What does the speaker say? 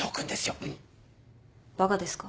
バカですか？